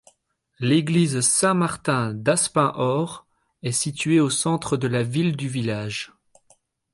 L'église Saint-Martin d'Aspin-Aure, est située au centre de la ville du village.